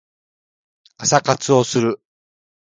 朝活をする